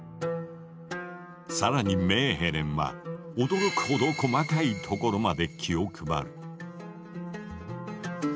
更にメーヘレンは驚くほど細かいところまで気を配る。